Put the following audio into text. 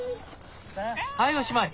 はいおしまい。